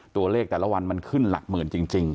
แต่ละวันมันขึ้นหลักหมื่นจริง